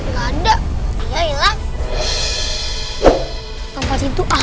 manisya serigalanya kemana